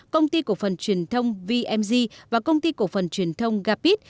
công ty cổ phần truyền thông vmg và công ty cổ phần truyền thông gapit